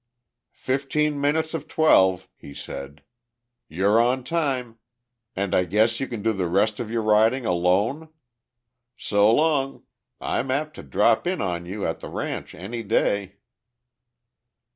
"Fifteen minutes of twelve," he said. "You're on time. And I guess you can do the rest of your riding alone? So long. I'm apt to drop in on you at the ranch any day."